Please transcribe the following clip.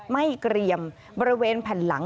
ไม่เกรียมบริเวณแผ่นหลัง